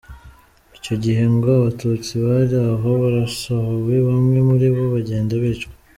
Icyo gihe ngo Abatutsi bari aho barasohowe bamwe muri bo bagenda bicwa.